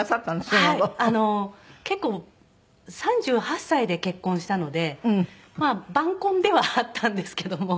結構３８歳で結婚したのでまあ晩婚ではあったんですけども。